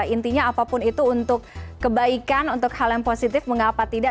intinya apapun itu untuk kebaikan untuk hal yang positif mengapa tidak